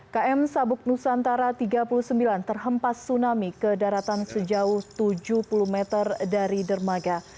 km sabuk nusantara tiga puluh sembilan terhempas tsunami ke daratan sejauh tujuh puluh meter dari dermaga